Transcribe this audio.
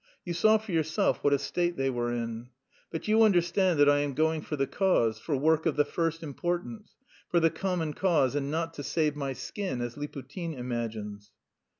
You saw for yourself what a state they were in. But you understand that I am going for the cause, for work of the first importance, for the common cause, and not to save my skin, as Liputin imagines."